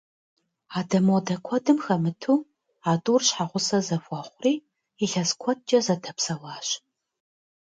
Адэ-модэ куэдым хэмыту, а тӏур щхьэгъусэ зэхуэхъури, илъэс куэдкӏэ зэдэпсэуащ.